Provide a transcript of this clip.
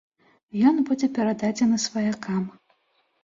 Ён будзе перададзены сваякам.